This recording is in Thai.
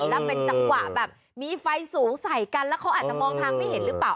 แล้วเป็นจังหวะแบบมีไฟสูงใส่กันแล้วเขาอาจจะมองทางไม่เห็นหรือเปล่า